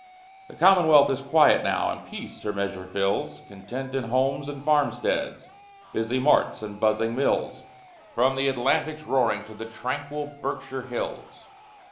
_ The Commonwealth is quiet now, and peace her measure fills, Content in homes and farmsteads, busy marts and buzzing mills From the Atlantic's roaring to the tranquil Berkshire hills.